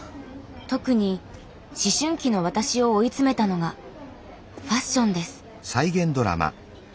特に思春期の私を追い詰めたのがファッションです。